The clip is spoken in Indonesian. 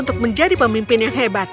untuk menjadi pemimpin yang hebat